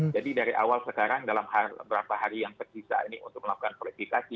jadi dari awal sekarang dalam beberapa hari yang terpisah ini untuk melakukan politikasi